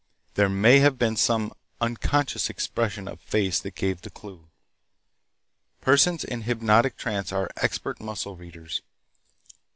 There may have been some unconscious expression of face that gave the clue. Persons in hypnotic trance are expert muscle readers.